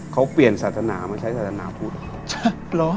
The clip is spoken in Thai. เขาเปลี่ยนศาสนามาใช้ศาสนาพุทธเหรอ